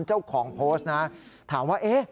เจ้าของโพสต์นะถามว่า